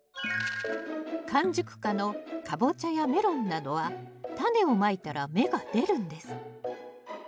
完熟果のカボチャやメロンなどはタネをまいたら芽が出るんです。